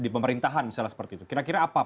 di pemerintahan misalnya seperti itu kira kira apa